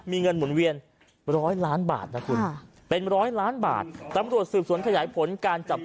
มีเงินหมุนเวียนร้อยล้านบาทนะคุณเป็นร้อยล้านบาทตำรวจสืบสวนขยายผลการจับกลุ่ม